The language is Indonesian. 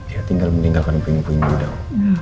ya tinggal meninggalkan punggung punggung